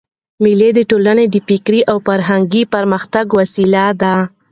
مېلې د ټولني د فکري او فرهنګي پرمختګ وسیله ده.